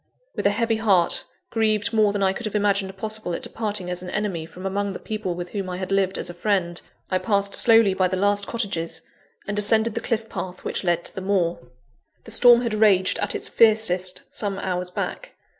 With a heavy heart, grieved more than I could have imagined possible at departing as an enemy from among the people with whom I had lived as a friend, I passed slowly by the last cottages, and ascended the cliff path which led to the moor. The storm had raged at its fiercest some hours back.